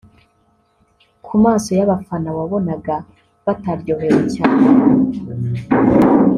Ku maso y’abafana wabonaga bataryohewe cyane